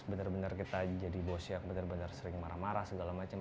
bener bener kita jadi bos yang sering marah marah segala macam